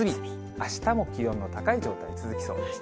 あしたも気温の高い状態が続きそうです。